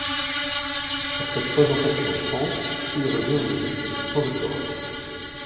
Après trois ans passés en France, il revient en Égypte, sans doctorat.